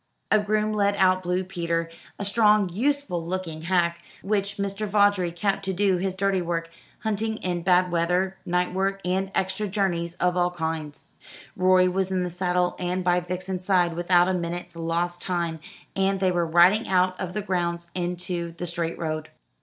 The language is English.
A groom led out Blue Peter, a strong useful looking hack, which Mr. Vawdrey kept to do his dirty work, hunting in bad weather, night work, and extra journeys of all kinds. Rorie was in the saddle and by Vixen's side without a minute's lost time, and they were riding out of the grounds into the straight road.